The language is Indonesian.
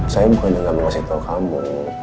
saya bukan yang gak mau ngasih tau kamu